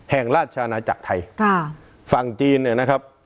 แห่งราชอาณาจักรไทยค่ะฝั่งจีนเนี่ยนะครับ